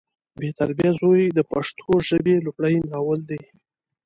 بې تربیه زوی د پښتو ژبې لمړی ناول دی